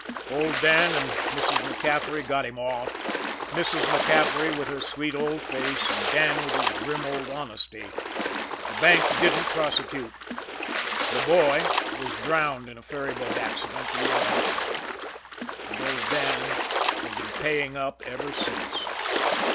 Old Dan and Mrs. MacCaffery got him off Mrs. MacCaffery with her sweet old face, and Dan with his grim old honesty. The bank didn't prosecute. The boy was drowned in a ferryboat accident the year after. And old Dan had been paying up ever since.